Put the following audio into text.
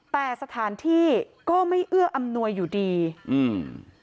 แต่สถานที่ก็ไม่เอื้ออำนวยอยู่ดีอืม